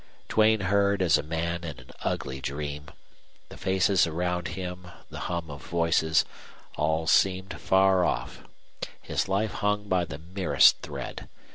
Duane heard as a man in an ugly dream. The faces around him, the hum of voices, all seemed far off. His life hung by the merest thread.